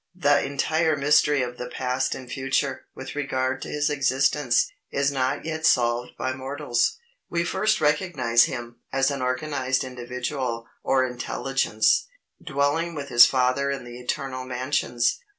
The entire mystery of the past and future, with regard to his existence, is not yet solved by mortals. We first recognise him, as an organized individual or intelligence, dwelling with his Father in the eternal mansions.